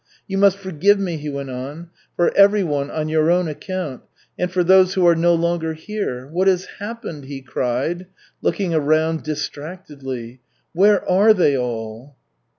"You must forgive me," he went on. "For every one on your own account and for those who are no longer here. What has happened?" he cried, looking round distractedly. "Where are they all?"